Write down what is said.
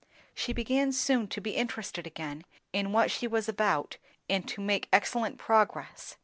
She began soon to be interested again in what she was about and to make excellent progress.